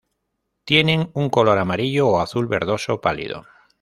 Tienen un color amarillo o azul verdoso pálido.